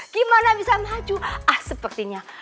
gimana bisa maju ah sepertinya